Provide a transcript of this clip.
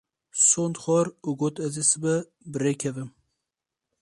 Sond xwar û got ez ê sibê bi rê kevim.